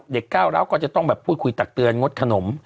ก้าวร้าวก็จะต้องแบบพูดคุยตักเตือนงดขนม